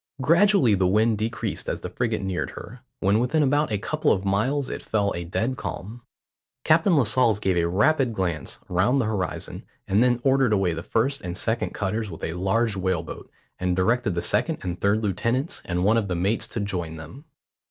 Gradually the wind decreased as the frigate neared her; when within about a couple of miles it fell a dead calm. Captain Lascelles gave a rapid glance round the horizon, and then ordered away the first and second cutters with a large whale boat, and directed the second and third lieutenants and one of the mates to join them.